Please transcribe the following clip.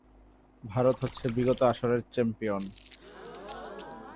ভারত হচ্ছে বিগত আসরের চ্যাম্পিয়ন।